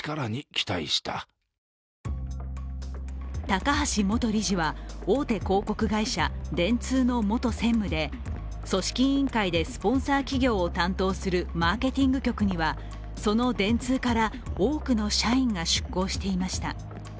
高橋元理事は、大手広告会社、電通の元専務で、組織委員会で、スポンサー企業を担当するマーケティング局にはその電通から多くの社員が出向していました。